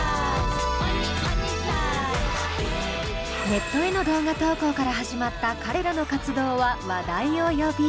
ネットへの動画投稿から始まった彼らの活動は話題を呼び。